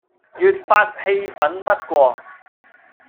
越發氣憤不過，